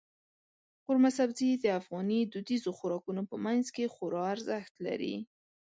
قورمه سبزي د افغاني دودیزو خوراکونو په منځ کې خورا ارزښت لري.